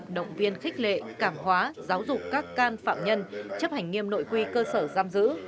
động viên khích lệ cảm hóa giáo dục các can phạm nhân chấp hành nghiêm nội quy cơ sở giam giữ